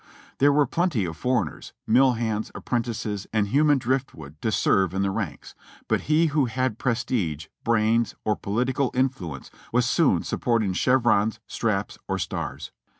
There were plenty of foreigners, mill hands, apprentices and human drift wood to serve in the ranks, but he who had pres tige, brains, or political influence was soon sporting chevrons, straps, or stars.